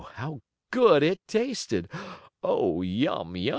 how good it tasted! Oh, yum yum!